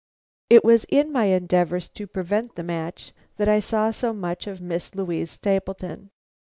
"It was in my endeavors to prevent the match that I saw so much of Miss Louise Stapleton."